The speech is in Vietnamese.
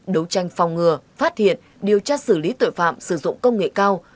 đấu tranh phòng ngừa phát hiện điều tra xử lý tội phạm sử dụng công nghệ cao